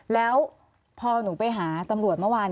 แล้วพอหนูไปหาตำรวจเมื่อวาน